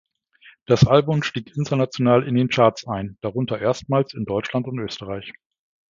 Das Album stieg international in den Charts ein, darunter erstmals in Deutschland und Österreich.